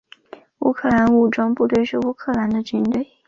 乌克兰武装部队是乌克兰的军队。